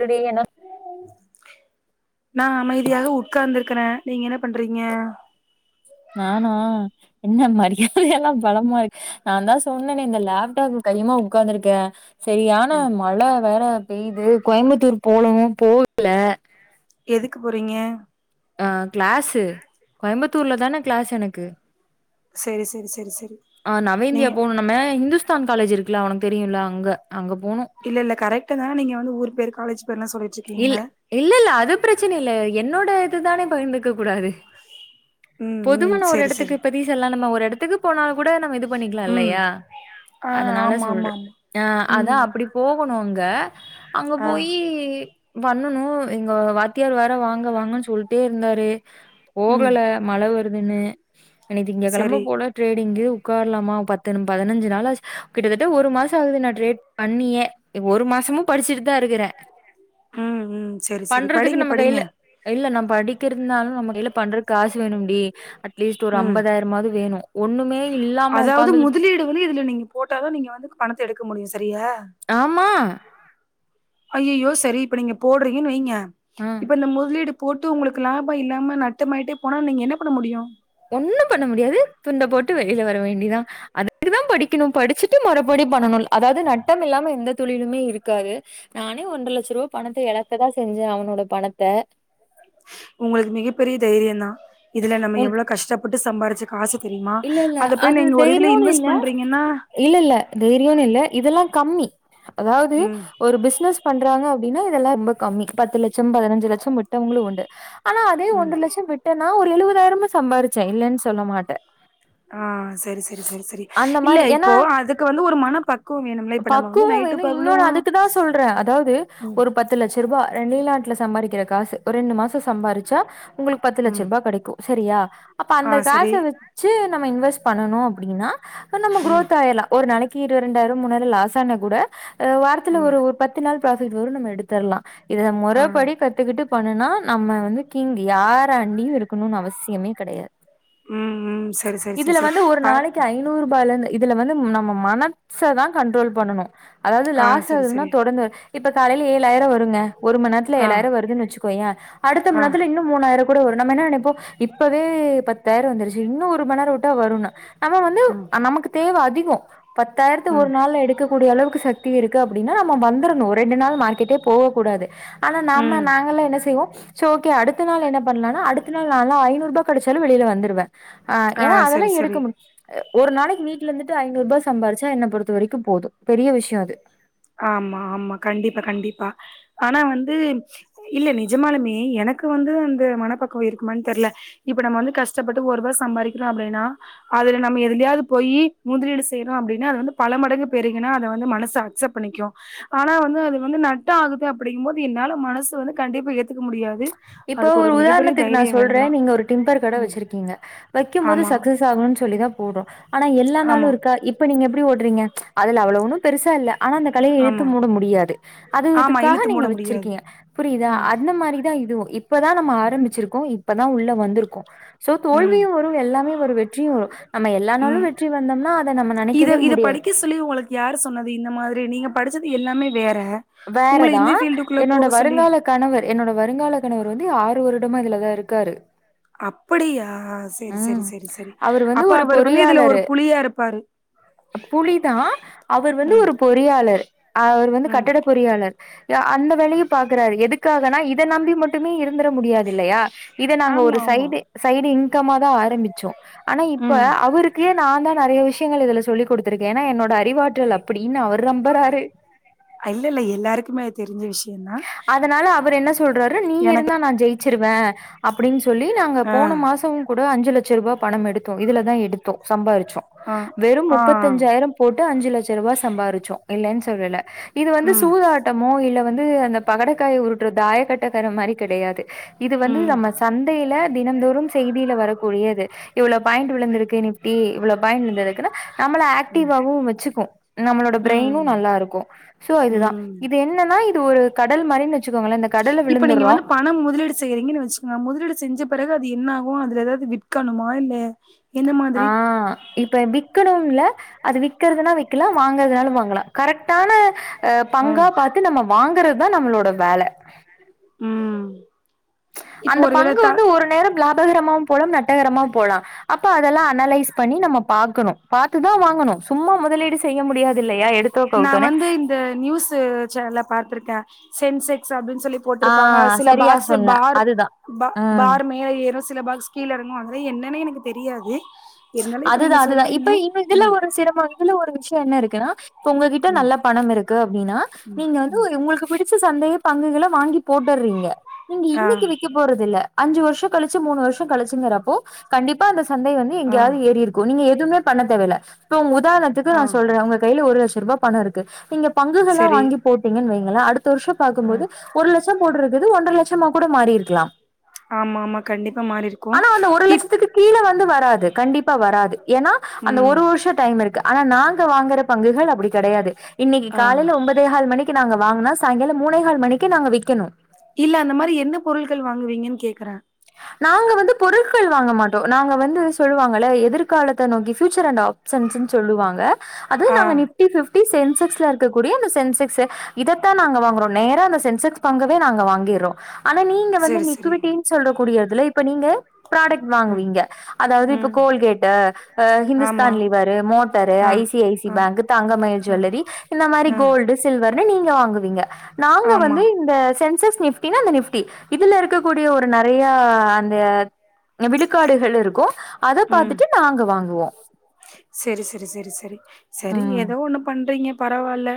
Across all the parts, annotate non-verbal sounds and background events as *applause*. Today என்ன நா அமைதியாக உட்காந்துருக்கறே நீங்க என்ன பண்றீங்க நானா என்ன மரியாதையே எல்லா பளமா இருக்கு நான் தா சொன்னனே இந்த லேப்டாப்பு கையுமா உக்காந்துருக்கே செரியானா மலே வேற பேய்து கோயம்புத்தூர் போனு போகல எதுக்கு போறீங்க ஆ கிளாஸ்சு கோயம்புத்தூர்ல தானே கிளாஸ் எனக்கு ஆ நவேந்தியா நீங்க போணு நம்ம இந்துஸ் இந்துஸ்தான் காலேஜ் இருக்குல்லா உனக்கு தெரியுல்ல அங்க போனு இல்ல இல்ல கரெக்டா தா நீங்க ஊர் பேர் காலேஜ் பேர்லா சொல்லிட்ருக்கிங்க இல்ல இல்ல இல்ல அது பிரச்சனை இல்ல என்னோட த்து தானே பகிர்ந்துக்க கூடாது ம் ம் பொதுவாண ஒரு செரி செரி எடத்துக்கு பத்தி சொல்லா நம்ம ஒரு எடத்துக்கு போனாலு கூட நம்ம இது பண்ணிக்கலா ம் இல்லையா ஆ அதனால ஆமா ஆமா சொல்றே ஆமா ஆ அதா ம் அப்படி போகணு அங்க அங்க ஆ போயி பண்ணணு இங்க வாத்தியார் வேற வாங்க வாங்கனு சொல்ட்டே இருந்தாரு ம் போகல மழ வ வருதுனு இனி திங்க கெளமா செரி போனா ட்ரெயினிங்கு உக்கார்லாமா பத்து பதினஞ்சு நாளாச்சு நாள் ஆச்சு கிட்டத்தட்ட ஒரு மாசோ ஆகுது நா ட்ரேட் பண்ணியே ஒரு மாசமு படிச்சுட்டு தா இருக்கறே ம் ம் செரி செரி பண்றதுக்கு படிங்க நம்ம கையில படிங்க இல்ல நா படிக்கிர் இருந்தாலு நம்ம கையில பண்றக்கு காசு வேணும்டி அட் ம் இல்லாம அதாவது உட்காந்துகிட்டு முதலீடு வந்து இதுல நீங்க போட்டாதா நீங்க வந்து பணத்த எடுக்க முடியு சரியா ஆமா ஐயையோ சரி இப்போ நீங்க போடுறீங்கனு வெயிங்க ஆ. இப்பந்த முதலீடு போட்டு உங்களுக்கு லாபோ இல்லாம நட்டமாயிட்டே போனா நீங்க என்ன பண்ண முடியு ஒண்ணு பண்ண முடியாது துண்ட போட்டு வெளியில வர வேண்டியிதா அதுக்குதா படிக்கணு படிச்சுட்டு மொறபடிபண்ணணு அதாவது நட்டம் இல்லாம எந்த தொழிலுமே இருக்காது நானே ஒன்ரை லட்ச ரூபா பணத்தை எழக்கதா செஞ்சே அவனோட பணத்த உங்களுக்கு மிகப்பெரிய தைரியந்தா இதுல நம்ம உன் எவ்வளோ கஷ்டப்பட்டு சம்பாரிச்சு காசு தெரியுமா இல்ல இல்ல அத போய் அது நீங்க ஒரு இதுல தைரியோனு இன்வெஸ்ட் இல்ல பண்றீங்கன்னா இல்ல இல்ல தைரியோனு இல்ல இதெல்லா கம்மி அதாவது ம் ஒரு பிஸ்னஸ் பண்றாங்க அப்டின்னா இதெல்லா ரொம்ப கம்மி பத்து லட்சம் பதினஞ்சு லட்சம் விட்டவங்களும் உண்டு ஆனா அதே ம் ஒன்ற லட்ச விட்டனா ஒரு எழுவதாயிரமா சம்பாரிச்சேன் இல்லனு சொல்ல மாட்டேன் ஆ சரி சரி சரி சரி அந்த இல்ல மாரி ஏன்னா இப்போ அதுக்கு வந்து ஒரு மன பக்குவம் வேணும்ல இப்ப நம்ம வந்து பக்குவோ நைட்டு வேணு இன்னொன்னு பகலும் அதுக்குதா சொல்றே அதாவது ல சம்பாதிக்கிற காசு ஒரு ரெண்டு மாசோ சம்பாரிச்சா உங்களுக்கு பத்து லட்ச ம் ரூபா கெடைக்கு செரியா அப்ப ஆ அந்த காச சரி வ ச்சு நம்ம இன்வெஸ்ட் பண்ணணு அப்டின்னா அ நம்ம ம் க்ரோத் ஆயிர்லா ஒரு நாளை க்கு ரெண்டாயிரம் மூணாயிரம் லாஸ் ஆனா கூட அ வாரத்துல ம் ஒரு பத்து நாள் ஃப்ராபிட் வரும் நம்ம எடுத்தர்லாம் இத ஆ மொறப்படி கத்துக்கிட்டு பண்ணுனா நம்ம வந்து கீங்கு யார அண்டியும் இருக்கணும்னு அவசியமே கிடையாது ம் ம் சரி சரி சரி இதுல சரி வந்து ஒரு பார் நாளைக்கு ஐநூறு ரூபாயல இருந்து இதுல வந்து நம்ம மனசதான் கண்ட்ரோல் பண்ணணும் அதாவது ஆ லாஸ் சரி ஆகுதுன்னா சரி தொடர்ந்து இப்ப காலையில ஏழாயிரம் வருங்க ஒரு மணிநேரத்தில ஆ ஏழாயிர வருதுன்ன வச்சுோயன் அடுத்த ஆ நேத்துல இன்ன மூணாயிரம் கூட நம்ம என்ன நினைப்போம் இப்பவே பத்தாயிரம் வந்துருச்சு இன்னும் ஒரு மணிநேரம் ஒட்டி வரும் நம்ம வந்து ம் நமக்கு தேவை அதிக *unintelligible* பத்தாயிரத்து ஒரு ம் நாள்ல எடுக்கக்கூடிய அளவுக்கு சக்தி இருக்கு அப்படின்னா நம்ம வந்துரணும் ஒரு ரெண்டு நாள் மார்க்கெட்டே போக கூடாது ஆனா நாம ம் நாங்க எல்லாம் என்ன செய்வோம் ஸ்ஓகே அடுத்த நாள் என்ன பண்ணலானா அடுத்த நாள் நான்ளா ஜனுநூறு ரூபா கிச்சாலும் வெளியில வந்துடுவேன் ஆஹ் ஆ ஏன்னா சரி அதெல்லாம் எடுக்க சரி முடியும் ஒரு நாளைக்கு வீட்டு வீடல இருந்துட்டு ஐநூறு ரூபா சம்பிச்சா என்னை பொறுத்த வரைக்கும் போதும் பெரிய விஷயம் அது ஆமா ஆமா கண்டிப்பா கண்டிப்பா ஆனா வந்து இல்ல நிஜமானாலுமே எனக்கு வந்து அந்த மனப்பக்கவம் இருக்குமனு தெரியல இப்ப நம்ம வந்து கஷ்டப்பட்டு ஒருப சம்பாதிக்கிறோம் அப்படின்னா அதுல நம்ம எதுலையாவது போய் முதலீடு செய்யறோம் அப்படின்னா அது வந்து பல மடங்கு பெருகுன்னா அதை வந்து மனசு அக்செப்ட பண்ணிக்கும் ஆனா வந்து அது வந்து நட்ட ஆகுது அப்படிபோது என்னால மனசு வந்து கண்டிப்பா ஏத்துக்க முடியாது இப்போ அதுக்கு ஒரு மிகப்பெரிய உதாரணத்துக்கு நா தைரியம் வேணும் சொல்ற தான். நீங்க ஒரு டிம்பர் கட ம். வச்சிருக்கீங்க வைக்கும் போது ஆமா, சக்சஸ் ஆகும்னு சொல்லிதா போட்றோ ஆனா எல்லா நாளும் ஆமா, இருக்கா இப்ப நீங்க எப்படி ஒரு ரீங்க அதுல அவ்வளோ ஒன்னும் பெருசா இல்ல ஆனா அந்த கலையை இழுத்து ஆமா. மூட முடியாது அது ஆமா இதுக்காக இழுத்து மூட நீங்க முடியாது. வச்சிருக்கீங்க புரியுதா அந்த மாதிரிதா இதுவும் இப்பதா நம்ம ஆரம்பிச்சிருக்கோம் இப்பதா உள்ள வந்திருக்கோ சோ ம், தோல்வியும் வரும் எல்லாமே வரு வெற்றியும் வரும் நம்ம எல்லா ம். நாளும் வெற்றி வந்தோம்னா அத நம்ம இத நெனக்கவே இத முடியாது படிக்க சொல்லி உங்களுக்கு யாரு சொன்னது இந்த மாதிரி நீங்க படிச்சது எல்லாமே வேற உங்கள வேறதா இந்த ஃபீல்டுக்குள்ள என்னோட போக சொல்லி வருங்கால கணவர் என்னோட வருங்கால ணவர் வந்து ஆறு வருடமா இதுலதா இருக்காரு அப்படியா செரி செரி ம் செரி செரி அவரு வந்து அப்ப ஒரு அவர் வந்து இதுல ஒரு பொறியாளரு புலியா இருப்பாரு புலிதா அவர் வந்து ம் ஒரு பொறியாளர் அவர் வந்து ம் கட்டட பொறியாளர் அந்த வேலையு பாக்குறாரு எதுக்காகனா இதை நம்பி மட்டுமே இருந்துட முடியாது இல்லையா இத நாங்க ஆமா ஒரு ஆமா சைடு சைடு இங் இன்கமாதா ஆரம்பிச்சோ ஆனா இப்ப ம் அவருக்கு நான் தா நிறைய விஷயங்கள் இதுல சொல்லி் கொடுத்திருக்கே ஏன்னா என்னோட அறிவாற்றல் அப்படின்னு அவர் நம்பறாரு இல்ல இல்ல எல்லாருக்குமே அது தெரிஞ்ச விஷயம்தா அதனால எனக்கு சருவே அப்படின்னு சொல் சொல்லி நாங்க ஆ போன மாசம் அஞ்சு லட்ச ரூபா பணம் எடுத்தோம் இதுல தா எடுத்தோம் சம்பாரிச்சோம் ஆ வெறும் ஆ முப்பத்தி அஞ்சாயிரம் போட்டு அஞ்சு லட்சம் ரூபா சம்பாரிச்சோம் இல்லன்னு சொல்லல இது வந்து ம் சூதாட்டமோ இல்ல வந்து அந்த பகடைக்காய உருட்டுற தாய கட்டக்கரை மாதிரி கிடையாது இது வந்து ம் நம்ம சந்தையில தினந்தோறும் பீல வரக்கூடியது இவ்வளோ பாயிண்ட் விழுந்திருக்கு நிப்டி இவ்ள பாயிண்ட் விழுந்ததுக்குன்னா நம்மள ஆக்டிவாவும் வச்சுக்கும் நம்மளோட ம் பிரெயினும் நல்லா இருக்கும் சோ இதுதா ம் இது என்னன்னா இது ஒரு கடல் மாரி வச்சுக்கோங்களே அந்த கடல்ல இப்ப நீங்க விழுந்தறோ வந்து பணம் முதலீடு செய்யறீங்கன்னு வச்சுக்கோங்க முதலீடு செஞ்ச பிறகு அது என்ன ஆகும் அதுல எதாவது விற்கணுமா இல்ல எந்த அ மாதிரி இப்ப பிக் விற்கணும்ள அது விக்கறுதுனா விக்கலாம் வாங்கறதுனாலும் வாங்கலாம் கரெக்டான ஆ பங்கா பார்த்து நம்ம வாங்குற தா நம்மளோட வேல ம் இப்போ அந்த ஒருவேள பங்கு த ஒரு நேரம் லாபகரம் ஆ போகலாம் நட் நட்டகரமா போகலாம் அப்ப அதலாம் அனலைஸ் பன்னி நம்ம பாக்கனும் பாத்துதான் வாங்கனும் சும்மா முதலீடு செய்ய முடியாத இல்லையா எடுத்தோ நான் கவுத்தோனே வந்து இந்த நியூஸ் சனல பாத்ர்க்க சென்செக்ஸ் அப சொல்லி ஆ போட்டிருப்பாங்க சில சரியா பாக்ஸ் சொன்ன அதுதா ப ம் பார் மேல ஏறும் சில பாக்ஸ் கீழறங்கும் என்னன்ன எனக்கு தெரியாது இருந்தாலு இப்ப நீங்க அதுதான் அதுதான் சொல்றீங்க இப்ப இன்னும் இதுல ம் ஒரு சிரமம் இதுல ஒரு விஷயம் என்ன இருக்கு *unintelligible* இப்ப உங்ககிட்ட ம் நல்ல பணம் இருக்கு அப்படின்னா நீங்க வந்து உங்களுக்கு பிடிச்ச சந்தேகம் பங்குகளை வாங்கி போட்டுடுறீங்க நீங்க ஆ இன்னைக்கு வக்க போறது இல்ல அஞ்சு வருஷம் கழிச்சு மூணு வருஷம் கழிச்சுங்கிறப்போ கண்டிப்பா இந் சந்தேக ஆ எங்கேயது ஏறி இருக்கும் நீங்க எ எது மே பண்ண தேவல இப்ப உதாரணத்துக்கு ஆ நான் சொல்றேன் உங்க கையில ஒரு ரூபாய் பணம் இருக்கு நீங்க பங்குகளா சரி வாங்கி போட்டீங்கன்னு வைங்கள அடுத்த வருஷம் ஆ பார்க்கும்போது ஒரு லட்சம் போடுறது ஒன்றரை லட்சமா கூட மாறி இருக்கலாம் ஆமா ஆமா கண்டிப்பா மாறி இருக்கும் அந்த ஒரு இப் லட்சத்துக்கு கீழ வந்து வராது. கண்டிப்பா வராது ஏன்னா அந்த ம் ஒரு வருஷம் டைம் இருக்கு ஆனா நாங்க வாங்குற பங்குகள் அப்படி கிடையாது இன்னைக்கு ஆ காலைில ஒன்பதேஹால் மணிக்கு நாங்க வாங்கினா சாயங்காலம் மூனைேகால் மணிக்கு நாங்க விக்கணும் இல்ல அந்த மாதிரி என்ன பொருள்கள் வாங்குவீங்கன்னு கேக்குறா நாங்க வந்து பொருட்கள் வாங்க மாட்டோம் நாங்க வந்து சொல்லுவாங்க எதிர்காலத்தை நோக்கி பியூச்சர் அண்ட் ஆப்ஷன்ஸ்னு சொல்லுவாங்க அது ஆ நாங்க நிப்டி பிப்டி சேர்ந்து சென்செக்ஸ்ல இருக்கக்கூடிய அந்த சென்செக்ஸ் இதைத்தான் நாங்க வாங்குறோம் நேரா அந்த சென்செக்ஸ் பங்கவே நாங்க வாங்கிறோம் ஆனா நீங்க வந்து சரி சரி நிக்விட்டின்னு சொல்ற கூடியதுல இப்ப நீங்க ப்ராடக்ட் ம் வாங்குவீங்க அதாவது இப்ப ம் கோல்கேட் ஆமா இஹந்துஸ்தான் லிவரு மோட்டரு ஆ ஐசி ஐசி ஆ பேங்க் தங்கமயில் ஆ ஜுவல்லரி இந்த மாதிரி ஆ கோல்டு சில்வர் நீங்க வாங்குவீங்க நாங்க ஆமா வந்து இந்த சென்சஸ் நிப்ட அந்த நிப்டி இதுல இருக்கக்கூடிய ஒரு நிறைய அந்த விழுக்காடுகள் இருக்கும் ம் சேரி சேரி சேரி சேரி சரி ம் ஏதோ ஒண்ணு பண்றீங்க பரவால்ல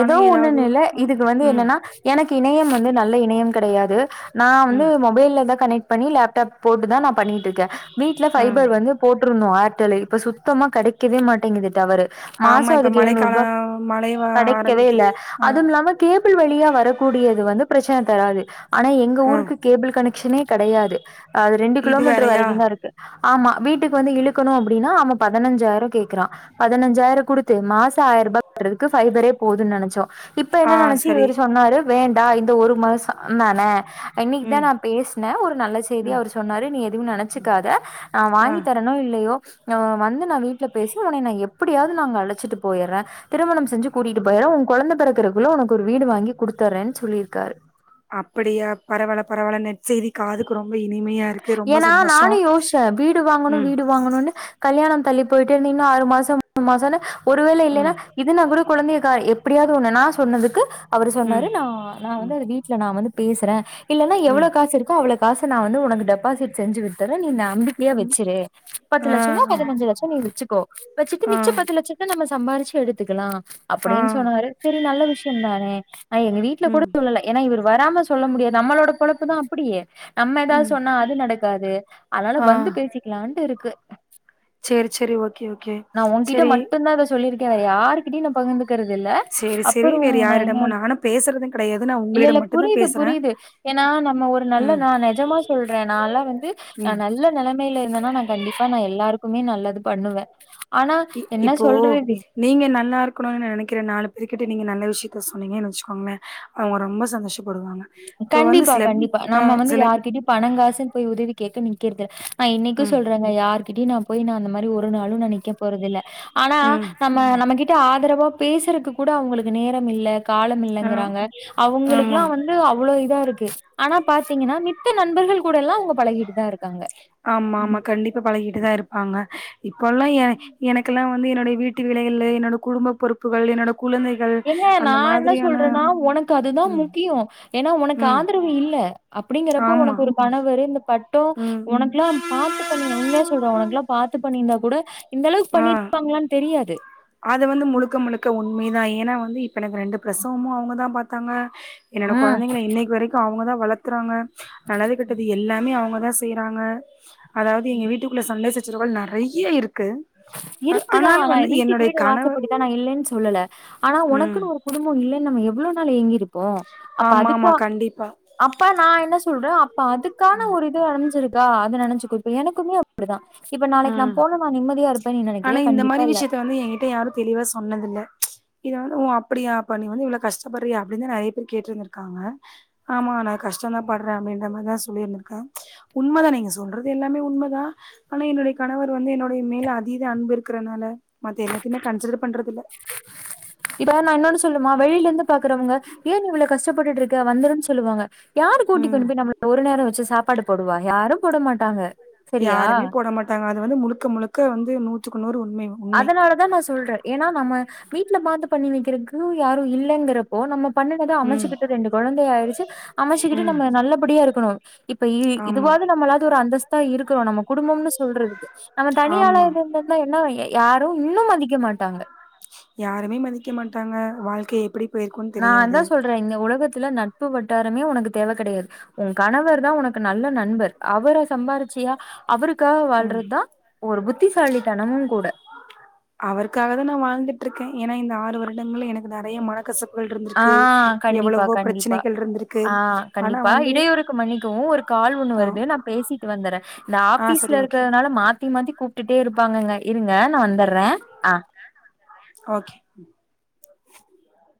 ஏதோ ஏதாவது ஒண்ணூனு இல்ல அ இதுக்கு வந்து ம் என்னன்னா எனக் கு இணையம் வந்து நல்ல இணையம் கெடையாது நா வந்து ம் மொபைல்ல தா கனெக்ட் பண்ணி லேப்டாப் போட்டுதா நா பண்ணியிட்ருக்க வீட்ல ம் ஃபைபர் வந்து போட் ட்ருணு ஆர்டெலு இப்ப சுத்தமா கெடைக்கவே மாட்டேங்கிது டவரு ஆமா மாசொ இப்ப அதுக்கு மழைக்காலோ எழ்நூறுபா மழை வ கடைக்கவே இல்ல ஆரம்பிக்குது ஆ அதுவுமில்லாம கேபிள் வழியா வரக்கூடி யது வந்து ப்ரச்சன தராது ஆனா எங்க ஆ ஊருக்கு கேபிள் கனெக் க்ஷனே கடையாது அ அது ரெண்டு இது கிலோமீட்டர் வேறயா வரைக்குந்தா இருக்கு ஆமா வீட்டுக்கு வந்து இழுக்கணு அப்டின்னா அவ பதனஞ்சாய்ரொ கேக்குறா பதனஞ்சாய்ரொ குடுத்து மாசொ ஆய்ருபா கட்ற க்கு ஃபைபரே போதுன் நெனச்சோ இப்ப ஆ என்ன நெனச்சி சரி இவரு சொன்னாரு வேண்டா இந்த ஒரு மாசொ அந்தான இன்னைக்தா ம் நா பேஸ்ன ஒரு நல்ல செய்தியா ம் அவர் சொன்னாரு நீ எதுவு நெனச்சிக்காத நா ஆ வாங்கி தரனோ இல்லையோ ஆ வந்து நா வீட்ல பேசி ஒன்னய நா எப்டியாவ்து நாங்க அழச்சிட்டு போயிர்ற திருமணம் செஞ்சு கூட்டிட்டு போய்ற ஓங் கொழந்த பெறக்கிறக்குள்ள ஒனக்கு ஒரு வீடு வாங்கி குடுத்தர்றன் சொல்லிருக்காரு அப்டியா பரவால பரவால நற் செய்தி காதுக்கு ரொம்ப இனிமையா இருக்கு ரொம்ப ஏனா சந்தோஷோ நானு யோஷ்ச வீடு வாங்கணு ம் வீடு வாங்கணுனு கல்யாணம் தள்ளி போயிட்டேர்ந்து இன்னு ஆறு மாசம் மூணு மாசோன்னு ஒருவேல இல்லேனா ம் இது நா கூட குழந்தைய கா ப்டியாது ஒன்னு நா சொன்னதுக்கு அவரு சொன்னாரு ம் நா நா வந்து ம் அ வீட்ல நா வந்து பேசுற இல்லனா எவ்ளோ ம் காசு இருக்கோ அவ்ளோ காச நா வந்து உனக்கு டெப் பாசிட் செஞ்சி விட்டற நி நா ம்பிக்யா ம் வெச்சிரு பத்து ஆ லட்சயா ஆ பதினஞ்சு லட்ச நீ வெச்சு கோ வெச்சிட்டு ஆ மிச்ச பத்து லட்சத்த் நம்ம சம்பாரிச்சி எடுத்துக்கலா ஆ. அப்டின்னு சொன்னாரு செரி நல்ல விஷயம் தானே நா எங்க வீட்ல கூட ம் சொல்லல ஏனா இவர் வராம சொல் சொல்ல முடியாது நம்மளோட பொழப்புதா அப்டி நம்ம எதா ம் சொன்னா த்துக்காது அதனால வந்து பேசிக்கலா ரெண்டு இருக்கு செரி செரி ஓகே ஓகே செரி கே வேற யார்கிட்டயு நா பகிர்ந்து க்கறது இல்ல சரி, சரி. அப்புறோ வேறு நா என்ன யாரிடமும் நானும் பேசுறதும் கிடையாது. நான் இல்ல இல்ல உங்களிடம் மட்டும் தான் புரியிது பேசுறேன். புரியிது ஏனா நம்ம ஒரு நல்ல ம், நா நெஜமா சொல் நான்ல வந்து நா ம். நல்ல நெலமையில இருந்தேனா நா கண்டிப்பா நா எ எல்லாருக்குமே நல்லது பண்ணுவ இ இப்போ நீங்க நல்லா இருக்குனுனு நெனக்கிற நாலு பேர்கிட் ட்ட நீங்க நல்ல விஷயத்த சொன்னிங்கன்னு வெச்சிக்கோங்கல அவங்க ரொம்ப சந்தோஷ கண்டிப்பா கண்டிப்பா நம்ம வந்து சில யார்கிட்டயு பணங்காசுன்னு போய் உதவி கேக்க நிகர்து நா இன்னைக்கு ம், சொல்றங்க யாருக் கிட்டியு நா போய் நா அந்த மாரி ஒரு நாளு நா நிக்க போறதில்ல ஆனா ம். நம்ம நம்ம கிட் ட ஆதரவா பேசுறக்கு கூட அவங்களுக்கு நேரமில்ல அ காலமில்லங்குறாங்க ஆமா. அவங்களுக்குலா வந் து அவ்ளோ இதா இருக்கு ஆனா பாத்தீங்கன்னா மித்த நண்பர்கள் கூட எல்லா அவங்க பழகிட்டு தா இருக்காங்க ஆமா ஆமா கண்டிப்பா பழகிட்டுதா இரு ப்பாங்க இப்பல்லா ஏ எனக்கெல்லா வந்து என்னோட வீட்டு வேலைகள்ளு என்னோட குடும்ப பொறுப்புகள் என்னோட குழந்தைகள் ஏங்க நா அந்த என்ன மாதிரியான சொல்றன்னா உனக்கு அதுதா ம், முக்கியோ ஏன்னா உனக்கு ம். ஆதரவு இல்ல அப்டிங்கறப்ப ஆமா. உனக்கு ஒரு கணவரு இந்த பட் ட்டோ ம் உனக்குலா பாத்து பண்ணீங்க உண்மையா சொல்ற உனக்கு லா பாத்து பண்ணிருந்தா கூட இந்த அளவுக்கு ஆ பண்ணிருப்பாங்களானு தெரியாது மை தா ஏன்னா வந்து இப்ப எனக்கு ரெண்டு பிரசவமு அவங்க தா பாத்தாங்க என்னோட ஆ. கொழந்தைங்கள இன்னைக் வரைக்கு அவங்க தா வளத்துறாங்க நல்லது கெட்டது எல்லாமே அவங்க வேல செய்றாங்க அதாவது எங்க வீட்டுக்குள்ள சண்ட சச் சிரவள் நெறைய இருக்கு இருத்துதா ஆனாலு நா வந்து எங்க வீட்டுக்கு என்னுடைய வீடு கணவர் வாசப்படிதா நா இல்லேன் சொல்லல ஆனா ம் ஒனக்குன்னு ஒரு குடும்போ இல்ல நம்ம எவ்ளோ நாள் ஏங்கிரு க்கோ அப்ப ஆமா அதுக்கா ஆமா கண்டிப்பா அப்பா நா என்ன சுடு இப்ப அதுக்கான ஒரு இது அடஞ்சிருக் க்கா அது நெனச்சி குடுப்பே எனக்குமே அப்டிதா இப்ப நாளைக்கு நா ம் போனுனா நிம்மதியா இருப் ஆனா இந்த மாரி விஷியத்த வந்து எங்கிட்ட யாரு தெளிவா சொன்னதில்ல ப்ச் இத வந்து உ அப்டியா பா நீ வந்து இவ்ளோ கஷ்டப் பறியே அப்டின்தா நெறைய பேர் கேட்ருந்துருக்காங்க ஆமா நா கஷ்டந்தா பட்றே அப்டின்ற மாரிதா சொல்லி இருந்துருக்கே உண்மதா நீங்க சொல்றது எல்லாமே உண்மதா ஆனா என்னுடைய கணவர் வந்து என்னுடைய மேல அதீத அன்பு இருக்றனால மத்த எல்லாத்தியுமே கன்சிடர் பண்றது இல்ல து பாக்குறவங்க ஏ நீ இவ்ள கஷ்டப்பட்டுட்டு இருக்க வந்துருன் சொல்லுவாங்க யாரு கூட்டி ம் கொண்டுபோய் நம்மள ஒரு நேரோ வச்சி சாப்பாடு போடுவா யாரு போட மாட் டாங்க யாருமே போட மாட்டாங்க இது வந்து முழுக்க முழுக்க வந்து நூத்துக்கு நூறு உண் அதனாலதா நா சொல்றே ஏனா நம்ம வீட்டுல பாத்து பண்ணி வைக்க இருக்கு யாரு இல்லங்கிறப்போ நம்ம பண்ணுனத ம் அமச்சுக்கிட்டு ரெண்டு கொழந்தைய ஆயிருச்சி அமச்சுக்கிட்டு ம் நம்ம நல்லபடியா இருக்கணு இப்ப இ ஆமா இதுவாது நம்மளாது ஒரு அந்தஸ் தா இருக்குறோ நம்ம குடும்பம்னு சொல்றதுக்கு நம்ம தனியால ஆமா இருந்து இருந்தந்தா என்ன யாரு இன்னு மதிக்க மாட்டாங்க யாருமே மதிக்க மாட்டாங்க வாழ்க்கைய எப்டி போயிருக்குன்னு நா தா தெரியாது சொல்றே இங்க உலகத்துல நட் பு வட்டாரமே உனக்கு தேவ கெடையாது உ கணவர் தா உனக்கு நல்ல நண்பர் அவர சம்பாரிச்சியா அவருக்காக ம் வாழ்றதா ஒரு புத்திசாலித்தனமும் கூட அவருக்காக டங்களு எனக்கு நெறைய மனக்கசப்பு ஆ கண்டிப்பா கண்டிப்பா இருந்திருக்கு ஆ ஆனா கண்டிப்பா வந்து இடையூறுக்கு மன்னிக்கவு ஒரு கால் ஒண்ணு ஆ வருது நா பேசிட்டு வந்துறே இந்த ஆ சரி ஆஃபிஸ்ல ஓகே இருக்குறதுனால மாத்தி மாத்தி கூப்ட்டுட்டே இருப்பாங்கங்க இருங்க நா வந்தற்ற அ ஓகே